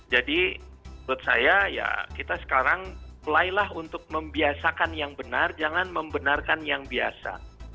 jadi menurut saya ya kita sekarang mulailah untuk membiasakan yang benar jangan membenarkan yang biasa